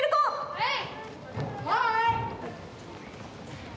はい！